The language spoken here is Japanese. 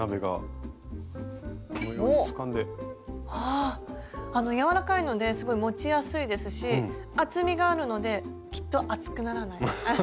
あの柔らかいのですごい持ちやすいですし厚みがあるのできっと熱くならない。